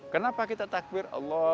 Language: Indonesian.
kenapa kita takbir